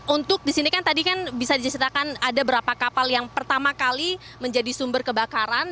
untuk di sini kan tadi kan bisa diceritakan ada berapa kapal yang pertama kali menjadi sumber kebakaran